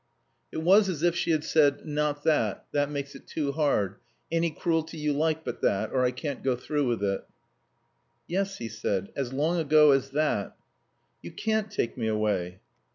It was as if she had said, "Not that. That makes it too hard. Any cruelty you like but that, or I can't go through with it." "Yes," he said, "as long ago as that." "You can't take me away."